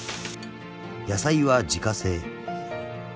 ［野菜は自家製］